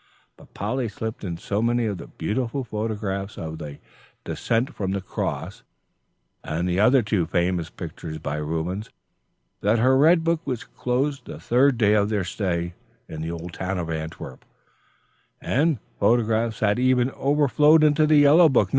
But Polly slipped in so many of the beautiful photographs of the "Descent from the Cross," and the other two famous pictures by Rubens, that her red book was closed the third day of their stay in the old town of Antwerp; and the photographs had even overflowed into the yellow book, No.